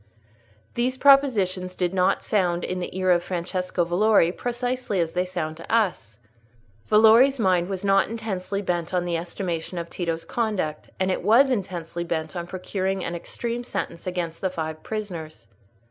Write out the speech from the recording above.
These propositions did not sound in the ear of Francesco Valori precisely as they sound to us. Valori's mind was not intensely bent on the estimation of Tito's conduct; and it was intensely bent on procuring an extreme sentence against the five prisoners.